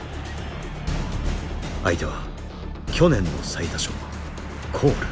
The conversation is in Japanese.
相手は去年の最多勝コール。